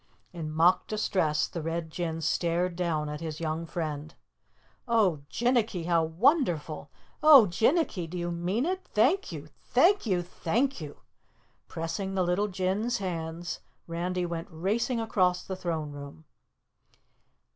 In mock distress the Red Jinn stared down at his young friend. "Oh, Jinnicky! How wonderful! Oh, Jinnicky, do you mean it? Thank you! Thank you! THANK YOU!" Pressing the little Jinn's hands, Randy went racing across the throne room.